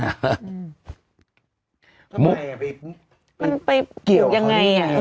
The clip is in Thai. ทำไมอ่ะไปมันไปเกี่ยวยังไงอ่ะ